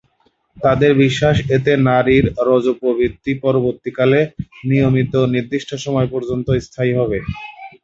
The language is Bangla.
তাদের বিশ্বাস, এতে নারীর রজঃপ্রবৃত্তি পরবর্তীকালে নিয়মিত ও নির্দিষ্ট সময় পর্যন্ত স্থায়ী হবে।